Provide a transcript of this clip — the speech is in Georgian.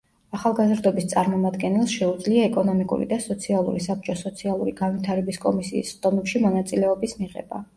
ახალგაზრდობის წარმომადგენელს შეუძლია ეკონომიკური და სოციალური საბჭოს სოციალური განვითარების კომისიის სხდომებში მონაწილეობის მიღება.